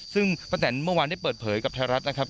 ซึ่งป้าแตนเมื่อวานได้เปิดเผยกับไทยรัฐนะครับ